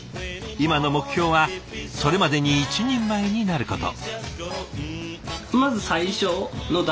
今の目標はそれまでに一人前になること。